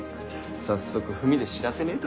早速文で知らせねぇと。